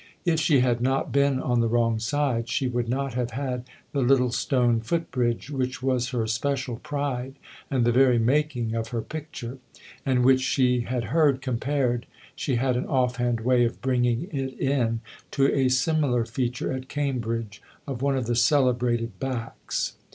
If she had not been on the wrong side she would not have had the little stone foot bridge which was her special pride and the very making of her picture, and which she had heard compared she had an off hand way of bringing it in to a similar feature, at Cambridge, of one of the celebrated " backs."